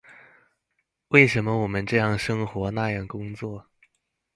為什麼我們這樣生活，那樣工作？